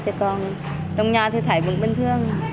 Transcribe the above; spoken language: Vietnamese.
chứ còn trong nhà thì thấy vẫn bình thường